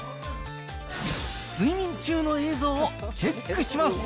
睡眠中の映像をチェックします。